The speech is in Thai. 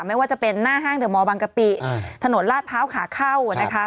ไม่ว่าจะเป็นหน้าห้างเดอร์มอลบางกะปิถนนลาดพร้าวขาเข้านะคะ